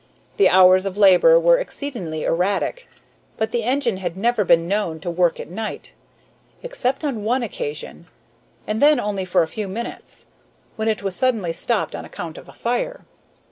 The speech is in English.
The hours of labor were exceedingly erratic, but the engine had never been known to work at night, except on one occasion, and then only for a few minutes, when it was suddenly stopped on account of a fire.